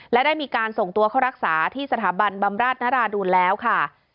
และได้มีการส่งตัวเข้ารักษาที่สถาบันบำราชนราดูลแล้วค่ะ